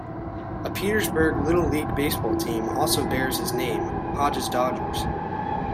A Petersburg Little League baseball team also bears his name, Hodges Dodgers.